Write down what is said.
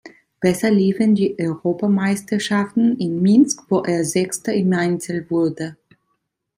Besser liefen die Europameisterschaften in Minsk, wo er Sechster im Einzel wurde.